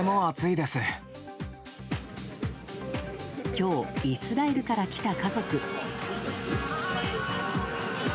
今日、イスラエルから来た家族。